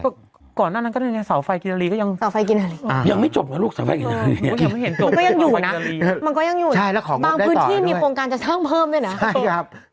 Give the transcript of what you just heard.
ก็ก่อนอันนั้นก็ได้เนี่ยสาวไฟกินาลีต้เรียน